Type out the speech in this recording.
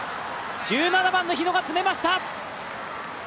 １７番の日野が詰めました！